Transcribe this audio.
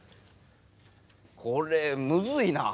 これむずいなあ。